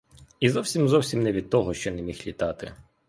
І зовсім-зовсім не від того, що не міг літати.